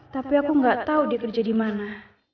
tapi aku gak tau dia kerja di mana